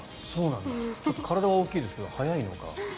ちょっと体は大きいですけど速いのか。